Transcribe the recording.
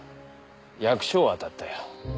役所を当たったよ。